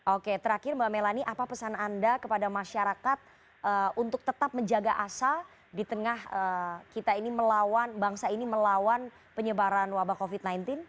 oke terakhir mbak melani apa pesan anda kepada masyarakat untuk tetap menjaga asa di tengah kita ini melawan bangsa ini melawan penyebaran wabah covid sembilan belas